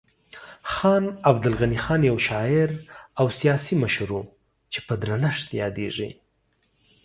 خان عبدالغني خان یو شاعر او سیاسي مشر و چې په درنښت یادیږي.